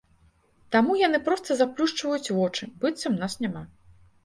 Таму яны проста заплюшчваюць вочы, быццам нас няма.